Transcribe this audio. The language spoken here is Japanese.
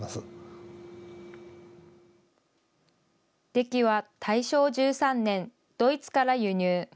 デキは、大正１３年、ドイツから輸入。